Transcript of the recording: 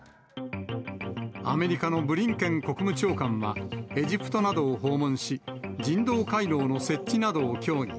アメリカのブリンケン国務長官は、エジプトなどを訪問し、人道回廊の設置などを協議。